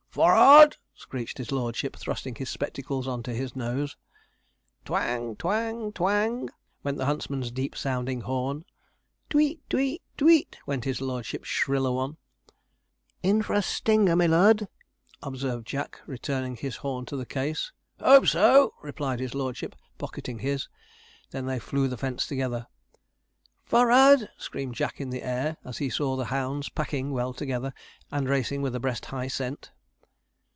'F o r rard!' screeched his lordship, thrusting his spectacles on to his nose. 'Twang twang twang,' went the huntsman's deep sounding horn. 'T'weet t'weet t'weet,' went his lordship's shriller one. 'In for a stinger, my lurd,' observed Jack, returning his horn to the case. 'Hope so,' replied his lordship, pocketing his. They then flew the first fence together. 'F o r r ard!' screamed Jack in the air, as he saw the hounds packing well together, and racing with a breast high scent.